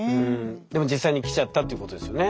でも実際にきちゃったってことですよね。